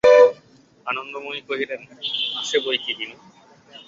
আনন্দময়ী কহিলেন, আছে বৈকি বিনু!